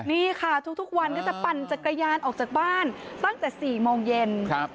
นี่ค่ะทุกวันก็จะปั่นจักรยานออกจากบ้านตั้งแต่๔โมงเย็น